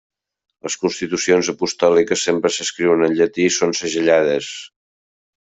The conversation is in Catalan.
Les constitucions apostòliques sempre s'escriuen en llatí i són segellades.